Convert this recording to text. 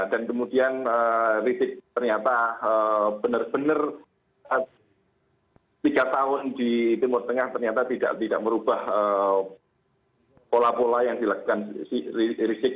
dan kemudian rizik ternyata benar benar tiga tahun di timur tengah ternyata tidak merubah pola pola yang dilakukan rizik